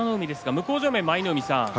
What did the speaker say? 向正面、舞の海さん